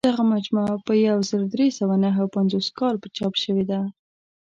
دغه مجموعه په یو زر درې سوه نهه پنځوس کال چاپ شوې ده.